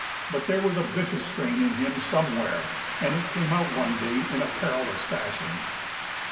But there was a vicious strain in him somewhere, and it came out one day in a perilous fashion.